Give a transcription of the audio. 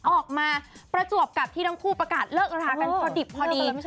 ออกมาประจวบกับที่ทั้งคู่ประกาศเลิกรากันพอดิบพอดี